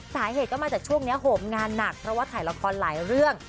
สาเหตุก็มาจากช่วงนี้โหมงานหนักเพราะว่าถ่ายละครหลายเรื่อง